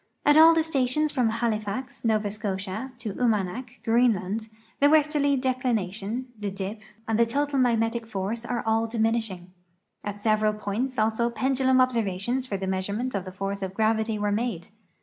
At all the stations from Halifax, Nova Scotia, to Umanak, Greenland, the westerly declination, the dip^ and the total magnetic force are all diminishing. At several points also pendulum observations for the measurement of the force of gravity were made.